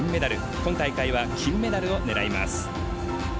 今大会は金メダルを狙います。